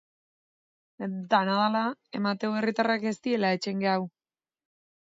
Dena dela, badirudi herritarrak ez direla etxean geratu.